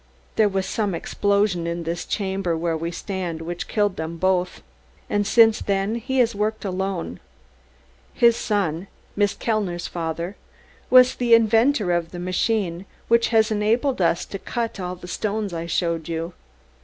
There was some explosion in this chamber where we stand which killed them both, and since then he has worked alone. His son Miss Kellner's father was the inventor of the machine which has enabled us to cut all the stones I showed you.